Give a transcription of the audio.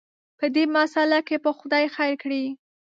په دې مساله کې به خدای خیر کړي.